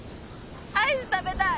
アイス食べたい。